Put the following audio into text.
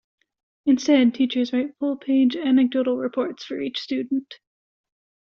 Instead, teachers write full-page anecdotal reports for each student.